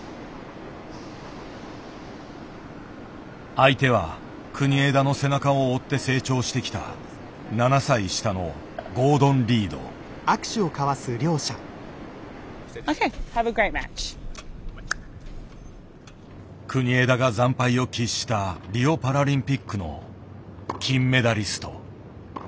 相手は国枝の背中を追って成長してきた７歳下の国枝が惨敗を喫したリオパラリンピックの金メダリスト。